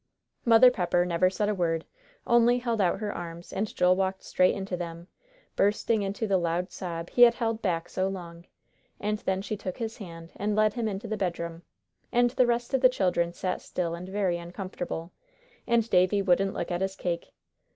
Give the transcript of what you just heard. Mother Pepper said never a word, only held out her arms, and Joel walked straight into them, bursting into the loud sob he had held back so long; and then she took his hand and led him into the bedroom, and the rest of the children sat still and very uncomfortable, and Davie wouldn't look at his cake.